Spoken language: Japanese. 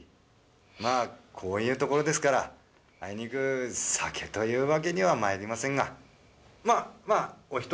まあこういうところですからあいにく酒というわけには参りませんがまあまあおひとつどんぞ。